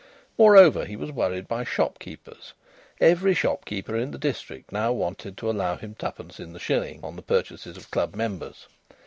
Moreover, he was worried by shopkeepers; every shopkeeper in the district now wanted to allow him twopence in the shilling on the purchases of club members.